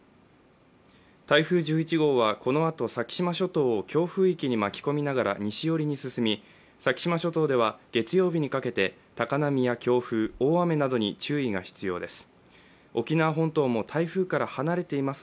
台風１１号はこのあと先島諸島を強風域に巻き込みながら西寄りに進み、先島諸島では月曜日にかけて高波や強風、大雨などに注意が必要です。